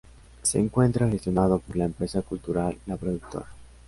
Se encuentra gestionado por la empresa cultural La Productora.